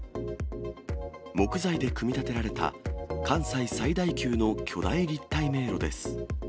木材で組み立てられた関西最大級の巨大立体迷路です。